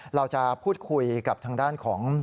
เราจะพูดคุยกับทางด้านของ